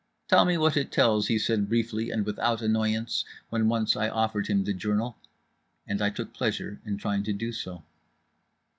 "Tell me what it tells," he said briefly and without annoyance, when once I offered him the journal. And I took pleasure in trying to do so.